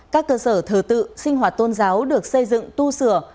các cơ sở thờ tự sinh hoạt tôn giáo được xây dựng tu sửa